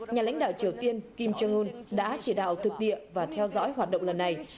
nhà lãnh đạo triều tiên kim jong un đã chỉ đạo thực địa và theo dõi hoạt động lần này